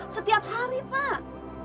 setiap hari pak